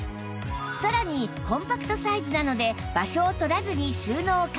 さらにコンパクトサイズなので場所をとらずに収納可能